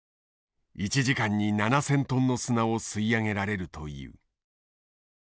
１時間に７，０００トンの砂を吸い上げられるという。